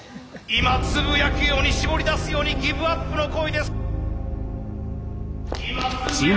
今つぶやくように絞り出すようにギブアップの声。